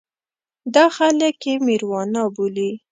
دا خلک یې مېروانا بولي.